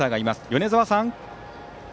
米澤さん。